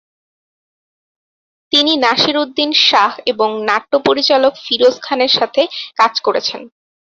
তিনি নাসিরউদ্দিন শাহ এবং নাট্য পরিচালক ফিরোজ খানের সাথে কাজ করেছেন।